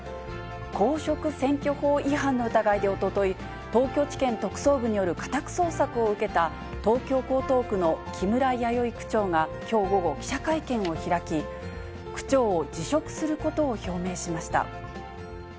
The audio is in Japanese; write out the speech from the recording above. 公職選挙法違反の疑いでおととい、東京地検特捜部による家宅捜索を受けた東京・江東区の木村弥生区長がきょう午後、記者会見を開き、区長を辞職することを表明しました。